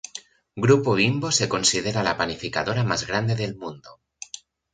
Grupo Bimbo se considera la panificadora más grande del mundo.